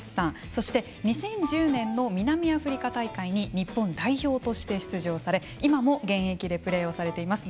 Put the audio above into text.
そして２０１０年の南アフリカ大会に日本代表として出場され今も現役でプレーをされています